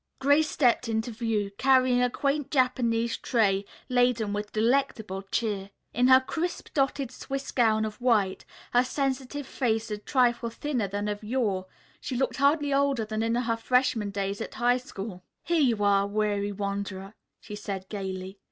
Grace stepped into view, carrying a quaint Japanese tray laden with delectable cheer. In her crisp dotted swiss gown of white, her sensitive face a trifle thinner than of yore, she looked hardly older than in her freshman days at high school. "Here you are, weary wanderer," she said gayly.